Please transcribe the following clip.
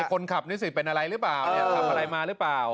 คนขับนี่สิเป็นอะไรรึเปล่าอยากทำอะไรมานะครับ